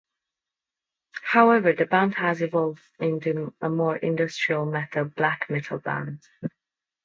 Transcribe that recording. However the band has evolved into a more Industrial Metal, Black Metal band.